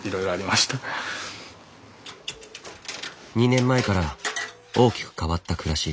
２年前から大きく変わった暮らし。